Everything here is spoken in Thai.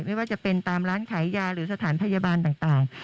ไม่ว่าจะเป็นตามร้านขายยาหรือสถานพยาบาลต่าง